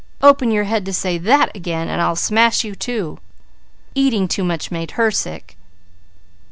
Open your head to say that again, and I'll smash you too. Eating too much made her sick.'